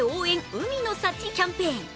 海の幸キャンペーン。